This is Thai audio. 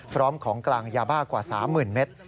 พร้อมของกลางยาบ้ากว่า๓๐๐๐เมตร